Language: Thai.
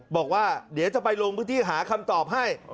บอกว่าเดี๋ยวจะไปลงพื้นที่หาคำตอบให้